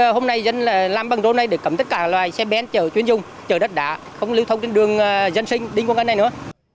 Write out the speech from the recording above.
hôm nay dân làm bằng rô này để cấm tất cả loài xe ben chở chuyến dung chở đất đạ không lưu thông trên đường dân sinh đinh quang ân này nữa